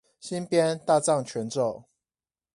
新編大藏全咒